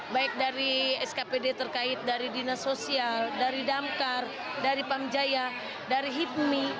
baik dari skpd terkait dari dinas sosial dari damkar dari pamjaya dari hipmi